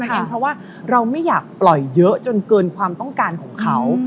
เพราะว่าเราไม่อยากปล่อยเยอะจนเกินความต้องการของเขา